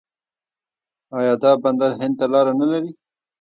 آیا دا بندر هند ته لاره نلري؟